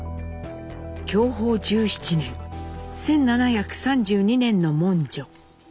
享保１７年１７３２年の文書。